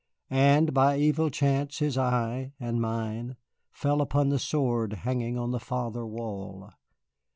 And by evil chance his eye, and mine, fell upon a sword hanging on the farther wall.